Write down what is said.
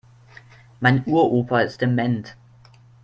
Mein Uropa ist dement.